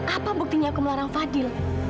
apa buktinya aku melarang fadil